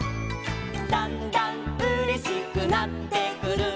「だんだんうれしくなってくる」